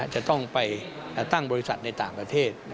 จะต้องไปตั้งบริษัทในต่างประเทศ